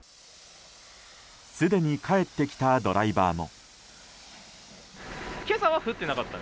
すでに帰ってきたドライバーも。